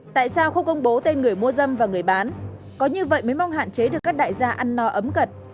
tại sao không công bố tên người mua dâm và người bán có như vậy mới mong hạn chế được các đại gia ăn no ấm gật